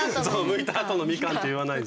むいたあとのみかんって言わない。